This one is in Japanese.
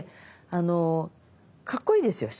あのかっこいいですよ